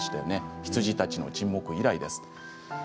「羊たちの沈黙」以来です。